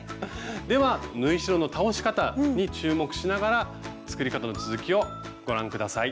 では縫い代の倒し方に注目しながら作り方の続きをご覧下さい。